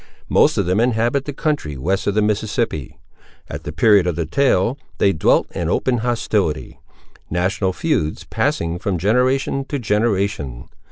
Most of them inhabit the country west of the Mississippi. At the period of the tale, they dwelt in open hostility; national feuds passing from generation to generation.